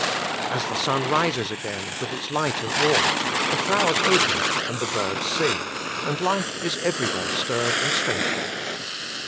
As the sun rises again with its light and warmth, the flowers open, and the hirds sing, and life is everywhere stirred and strengthened.